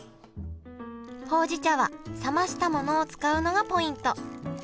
ほうじ茶は冷ましたものを使うのがポイント。